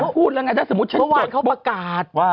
ฮือสักวันเขาประกาศ